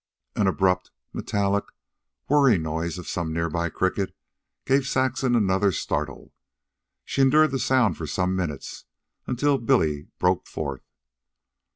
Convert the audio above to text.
An abrupt, metallic, whirring noise of some nearby cricket gave Saxon another startle. She endured the sound for some minutes, until Billy broke forth.